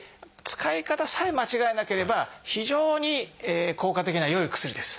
使い方さえ間違えなければ非常に効果的な良いお薬です。